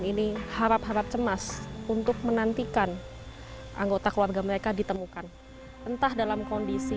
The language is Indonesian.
ini harap harap cemas untuk menantikan anggota keluarga mereka ditemukan entah dalam kondisi